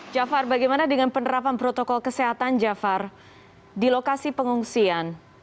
jafar bagaimana dengan penerapan protokol kesehatan jafar di lokasi pengungsian